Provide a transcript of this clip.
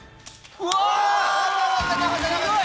うわ！